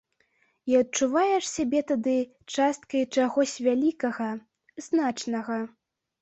І адчуваеш сябе тады часткай чагось вялікага, значнага.